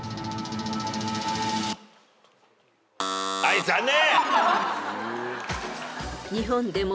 はい残念。